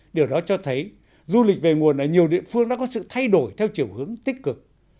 điều đó cho thấy du lịch về nguồn ở nhiều địa phương đã có sự thay đổi theo chiều hướng tích cực